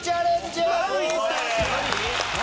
何？